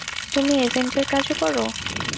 তুমি এজেন্টের কাজও করো?